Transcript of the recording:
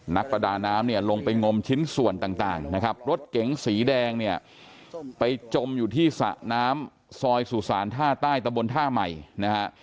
นักประดาน้ำเนี่ยลงไปงมชิ้นส่วนต่างนะครับรถเก๋งสีแดงเนี่ยไปจมอยู่ที่สระน้ำซอยสุสานท่าใต้ตะบนท่าใหม่นะฮะ